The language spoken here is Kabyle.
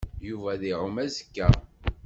Yuba ad iɛum azekka.